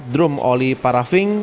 empat drum oli parafing